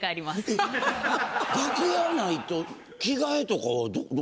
え楽屋ないと着替えとかは。